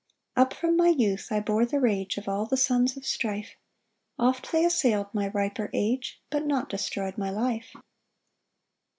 2 Up from my youth I bore the rage Of all the sons of strife; Oft they assail'd my riper age, But not destroy'd my life.